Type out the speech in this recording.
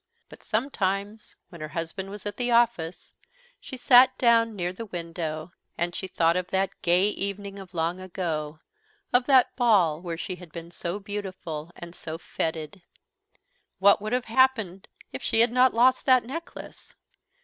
But sometimes, when her husband was at the office, she sat down near the window, and she thought of that gay evening of long ago, of that ball where she had been so beautiful and so feted. What would have happened if she had not lost that necklace?